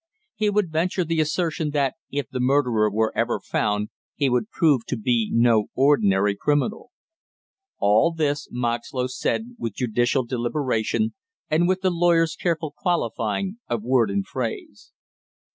He would venture the assertion that if the murderer were ever found he would prove to be no ordinary criminal. All this Moxlow said with judicial deliberation and with the lawyer's careful qualifying of word and phrase.